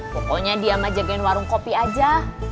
pokoknya dia mah jagain warung kopi aja